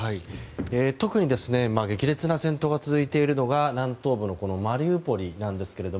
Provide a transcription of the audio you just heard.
特に激烈な戦闘が続いているのが南東部のマリウポリなんですが。